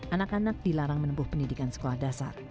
anak anak dilarang menempuh pendidikan sekolah dasar